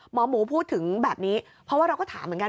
หมอหมูพูดถึงแบบนี้เพราะว่าเราก็ถามเหมือนกัน